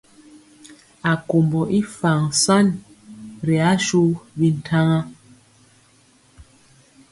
Akombɔ i faŋ ya ri ashu bintaŋa.